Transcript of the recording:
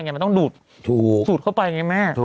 มันต้องดูสูดเข้าไปไงแม่